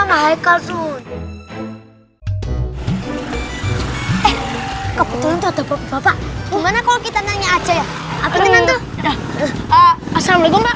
nahai karun eh kebetulan tetap bapak gimana kalau kita nanya aja ya apa yang nanti asalamualaikum